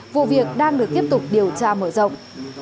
vụ việc đang được tiếp tục điều tra mở rộng